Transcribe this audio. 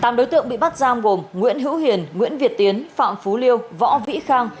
tám đối tượng bị bắt giam gồm nguyễn hữu hiền nguyễn việt tiến phạm phú liêu võ vĩ khang